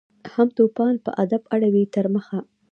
هم توپان په ادب اړوي تر مخه